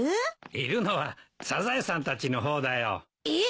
いるのはサザエさんたちの方だよ。えっ？